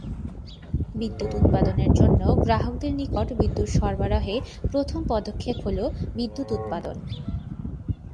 বিদ্যুৎ উৎপাদনের জন্য, গ্রাহকদের নিকট বিদ্যুৎ সরবরাহের প্রথম পদক্ষেপ হলোঃ বিদ্যুৎ উৎপাদন।